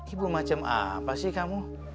ibu macam apa sih kamu